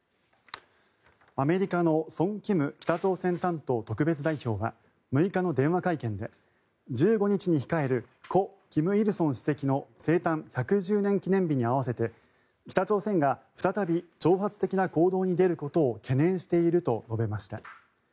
アメリカのソン・キム北朝鮮担当特別代表は６日の電話会見で１５日に控える故・金日成主席の生誕１１０年記念日に合わせて北朝鮮が再び挑発的な行動に出ることを懸念していると述べました。